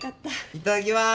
いただきます。